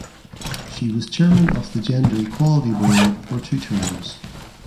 She was chairman of the gender equality board for two terms.